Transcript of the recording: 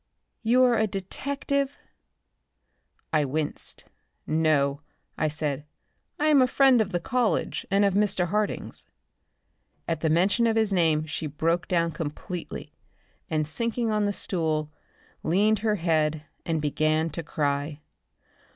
"You are a detective?" I winced. "No," I said; "I am a friend of the College and of Mr. Harding's." At the mention of his name she broke down completely and, sinking on the stool, leaned her head and began to cry.